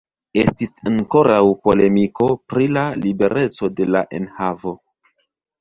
Estis ankoraŭ polemiko pri la libereco de la enhavo.